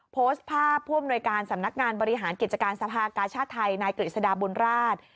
โพสต์ภาพผู้อำนวยการสำนักงานบริหารกิจการสภากาชาติไทยนายกฤษฎาบุญราช